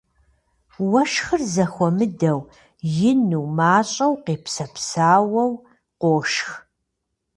Уэшхыр зэхуэмыдэу, ину, мащӀэу, къепсэпсауэу, къошх.